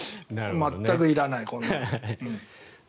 全くいらない、こんなのは。